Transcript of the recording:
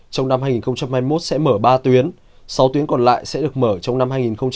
trong năm hai nghìn hai mươi một sẽ mở ba tuyến sáu tuyến còn lại sẽ được mở trong năm hai nghìn hai mươi